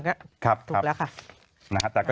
ตกแล้วมาค่ะ